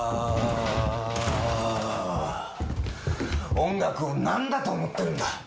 音楽を何だと思ってるんだ！